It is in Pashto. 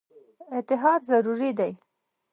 اتحاد ضروري دی.